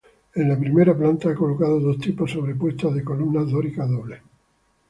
En la primera planta ha colocado dos tipos sobrepuestas de columnas dóricas dobles.